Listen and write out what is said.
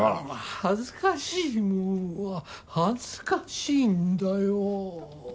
恥ずかしいもんは恥ずかしいんだよ。